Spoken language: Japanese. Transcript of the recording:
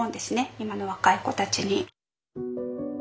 今の若い子たちに。